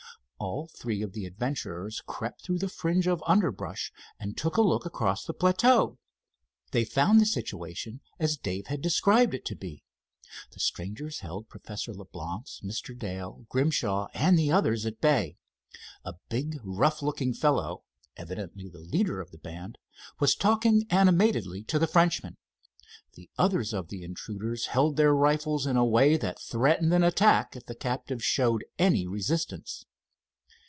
All three of the adventurers crept through the fringe of underbrush and took a look across the plateau. They found the situation as Dave had described it to be. The strangers held Professor Leblance, Mr. Dale, Grimshaw and the others at bay. A big, rough looking fellow, evidently the leader of the band, was talking animatedly to the Frenchman. The others of the intruders held their rifles in a way that threatened an attack if the captives showed any resistance.